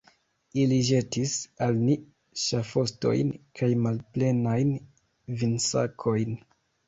Ili ĵetis al ni ŝafostojn kaj malplenajn vinsakojn.